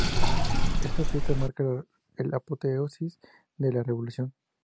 Esta fiesta marca la apoteosis de la Revolución.